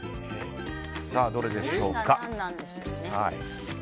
さあ、どれでしょうか。